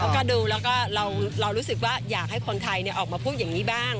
แล้วก็ดูแล้วก็เรารู้สึกว่าอยากให้คนไทยออกมาพูดอย่างนี้บ้าง